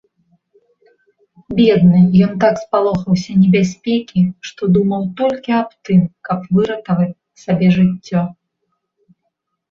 Бедны, ён так спалохаўся небяспекі, што думаў толькі аб тым, каб выратаваць сабе жыццё.